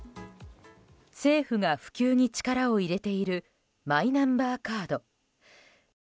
政府が普及に力を入れているマイナンバーカード。